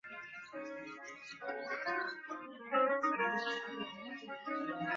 梅特乔辛一带原为沙利殊原住民族的地域。